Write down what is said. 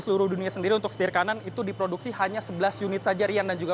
seluruh dunia sendiri untuk setir kanan itu diproduksi hanya sebelas unit saja rian dan juga